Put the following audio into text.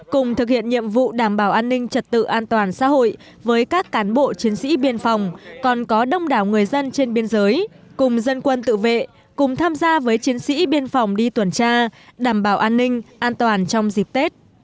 cùng thực hiện nhiệm vụ đảm bảo an ninh trật tự an toàn xã hội với các cán bộ chiến sĩ biên phòng còn có đông đảo người dân trên biên giới cùng dân quân tự vệ cùng tham gia với chiến sĩ biên phòng đi tuần tra đảm bảo an ninh an toàn trong dịp tết